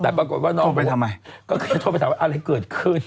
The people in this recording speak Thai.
โทรไปทำไม